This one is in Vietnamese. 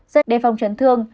sẽ đề phòng chấn thương